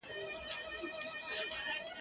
او چي مات یې له غمونو سړي یو په یو ورکیږي !.